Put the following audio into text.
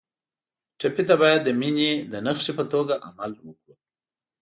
ټپي ته باید د مینې د نښې په توګه عمل وکړو.